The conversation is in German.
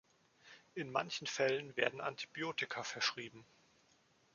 In manchen Fällen werden Antibiotika verschrieben.